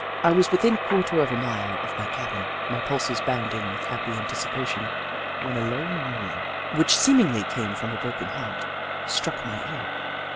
I was within a quarter of a mile of my cabin, my pulses bounding with happy anticipation, when a low moan, which seemingly came from a broken heart, struck my ear.